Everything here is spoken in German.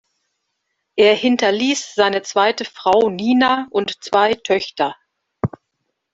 Er hinterließ seine zweite Frau Nina und zwei Töchter.